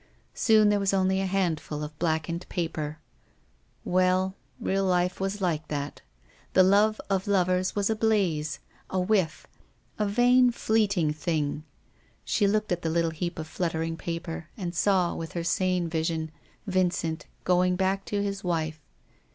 Soon there was only a handful of blackened paper. .. Well, it was like that. .. The love of lovers was a blaze, a whiff, a vain, fleeting thing. She looked at the little heap of fluttering paper, and saw, with her sane vision, Vincent going back to his wife.